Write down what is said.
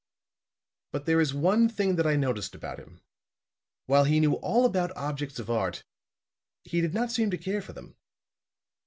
"But there is one thing that I noticed about him. While he knew all about objects of art, he did not seem to care for them.